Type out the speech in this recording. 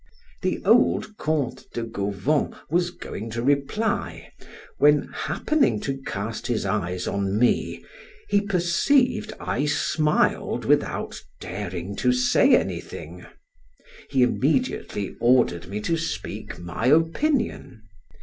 The old Count de Gauvon was going to reply, when happening to cast his eyes on me, he perceived I smiled without daring to say anything; he immediately ordered me to speak my opinion.